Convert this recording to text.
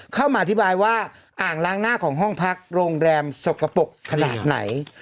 เข้ามาอธิบายว่าอ่างล้างหน้าของห้องพักโรงแรมสกปรกขนาดไหน